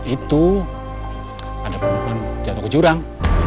itu ada perempuan jatuh ke jurang